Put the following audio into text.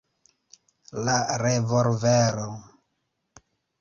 La revolvero.